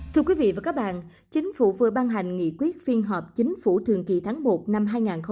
thưa quý vị và các bạn chính phủ vừa ban hành nghị quyết phiên họp chính phủ thường kỳ tháng một năm hai nghìn hai mươi